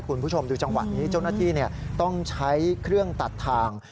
คุณผู้ชมดูจังหวะนี้เจ้าหน้าที่ต้องใช้เครื่องตัดทาง